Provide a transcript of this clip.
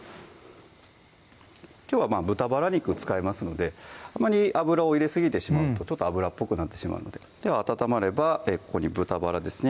きょうは豚バラ肉使いますのであまり油を入れすぎてしまうとちょっと油っぽくなってしまうのででは温まればここに豚バラですね